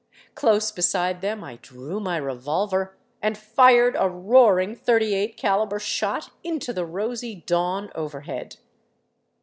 Close beside them I drew my re volver and fired a roaring 38 caliber shot into the rosy dawn over head.